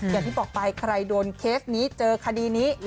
อย่างที่บอกไปใครโดนเคสนี้เจอคดีนี้